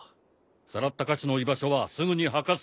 さらった歌手の居場所はすぐに吐かす。